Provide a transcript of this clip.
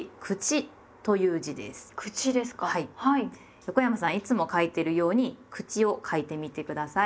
横山さんいつも書いてるように「口」を書いてみて下さい。